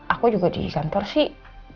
aku juga di kantor sih